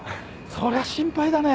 そりゃ心配だね。